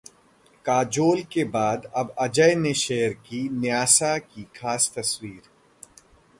काजोल के बाद अब अजय ने शेयर की न्यासा की खास तस्वीर